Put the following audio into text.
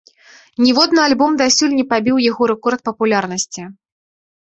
Ніводны альбом дасюль не пабіў яго рэкорд папулярнасці.